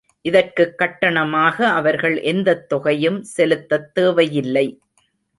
இதற்குக் கட்டணமாக அவர்கள் எந்தத் தொகையும் செலுத்தத் தேவையில்லை.